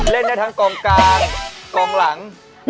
เล่นได้ทั้งกองกลางกองหลัง